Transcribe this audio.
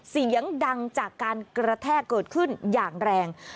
เสียงดังจากการกระแทกเกิดขึ้นอย่างแรง